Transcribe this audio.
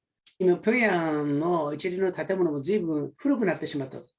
ピョンヤンの一部の建物もずいぶん古くなってしまったと。